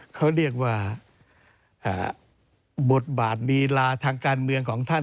เขาเรียกว่าบทบาทลีลาทางการเมืองของท่าน